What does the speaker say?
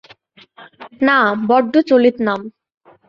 না, বড্ড চলিত নাম।